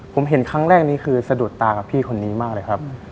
ผมเห็นครั้งแรกนี้คือสะดุดตากับพี่คนนี้มากเลยครับ